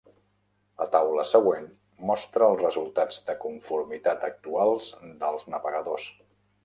La taula següent mostra els resultats de conformitat actuals dels navegadors.